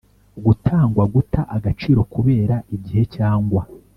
gutangwa guta agaciro kubera igihe cyangwa